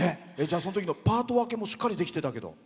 そのときのパート分けもしっかりできてたけど。